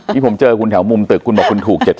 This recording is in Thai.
ที่ผมเจอคุณแถวมุมตึกคุณบอกคุณถูก๗๐